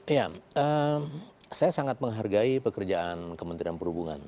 iya saya sangat menghargai pekerjaan kementerian perhubungan